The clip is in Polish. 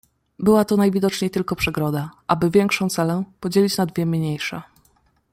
"Była to najwidoczniej tylko przegroda, aby większą celę podzielić na dwie mniejsze."